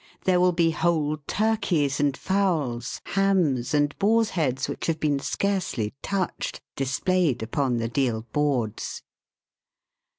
There will be whole turkeys and fowls, hams, and boars' heads, which have been scarcely touched, displayed upon the deal boards.